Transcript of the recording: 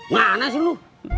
mana sih lu